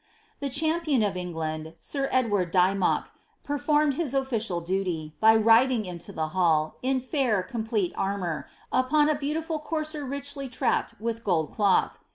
The champion of England, Sir Edward Dymock, performed his offi cial duly, by tiding into the hall, in fair, complete armour, upon a beau tiful courser richly trapped with gold cloth.